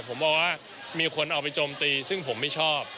ผมบอกว่ามีคนเอาไปโจมตีซึ่งผมไม่ชอบ